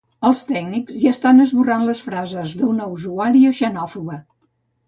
Els tècnics ja estan esborrant les frases d'una usuària xenòfoba